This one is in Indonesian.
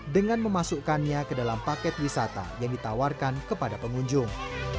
dengan memasukkannya ke dalam paket wisata yang ditawarkan kepada pengunjung